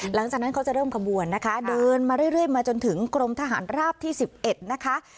หลังจากนั้นเขาจะเริ่มขบวนนะคะเดินมาเรื่อยมาจนถึงกรมทหารราบที่๑๑นะคะ